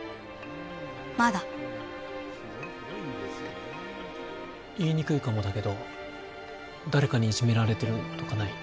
まだ言いにくいかもだけど誰かにいじめられてるとかない？